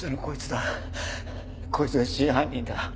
こいつが真犯人だ。